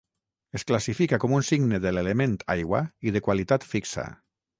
Es classifica com un signe de l'element aigua i de qualitat fixa.